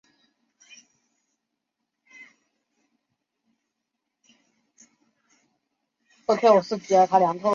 上书劝皇帝迁都汴京。